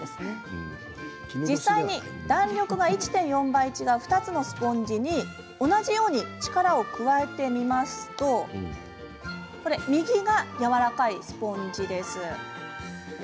実際に弾力が１．４倍違う２つのスポンジに同じように力を加えてみると右がやわらかいスポンジ。